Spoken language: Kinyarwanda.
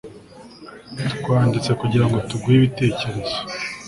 Twanditse kugirango tuguhe ibitekerezo